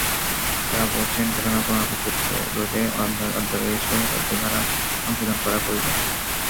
তাঁরা বলছেন, ঘটনার পুনরাবৃত্তি রোধে অধ্যাদেশের কয়েকটি ধারা সংশোধন করা প্রয়োজন।